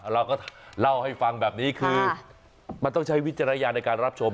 เราก็เล่าให้ฟังแบบนี้คือมันต้องใช้วิจารณญาณในการรับชม